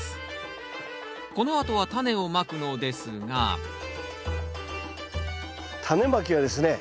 このあとはタネをまくのですがタネまきはですね